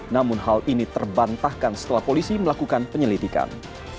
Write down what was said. namun hal ini terbantahkan setelah polisi melakukan penyelidikan